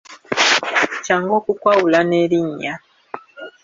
Kyangu okukwawula n'erinnya.